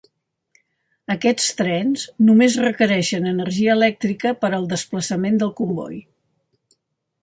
Aquests trens només requereixen energia elèctrica per al desplaçament del comboi.